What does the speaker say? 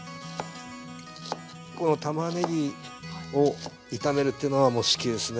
このたまねぎを炒めるっていうのはもう好きですね。